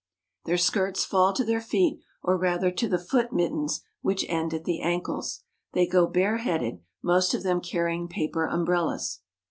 Their skirts fall to the feet, or rather to the foot mittens, which end at the ankles. They go bareheaded, most of them carrying paper umbrellas.